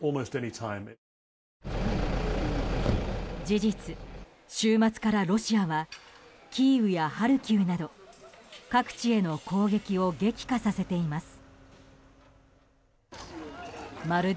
事実、週末からロシアはキーウやハルキウなど各地への攻撃を激化させています。